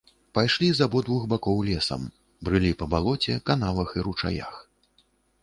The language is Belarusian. Пайшлі з абодвух бакоў лесам, брылі па балоце, канавах і ручаях.